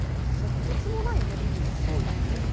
とてつもないエネルギーですよね。